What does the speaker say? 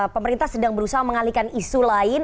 pemerintah sedang berusaha mengalihkan isu lain